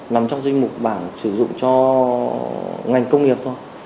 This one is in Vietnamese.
nằm trong dinh mục bảng sử dụng cho ngành công nghiệp thôi